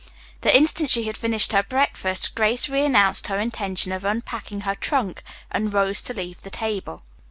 The instant she had finished her breakfast, Grace reannounced her intention of unpacking her trunk and rose to leave the table.